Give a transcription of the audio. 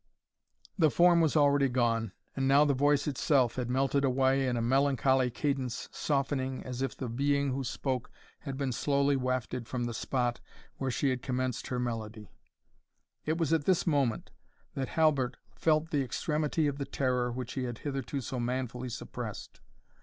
The form was already gone, and now the voice itself had melted away in melancholy cadence, softening, as if the Being who spoke had been slowly wafted from the spot where she had commenced her melody. It was at this moment that Halbert felt the extremity of the terror which he had hitherto so manfully suppressed.